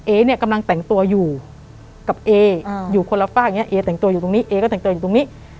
เนี่ยกำลังแต่งตัวอยู่กับเออยู่คนละฝากอย่างนี้เอแต่งตัวอยู่ตรงนี้เอก็แต่งตัวอยู่ตรงนี้